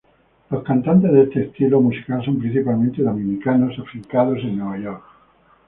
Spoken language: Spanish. Los cantantes de este estilo musical son principalmente dominicanos afincados en Nueva York.